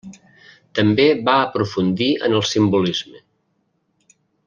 També va aprofundir en el simbolisme.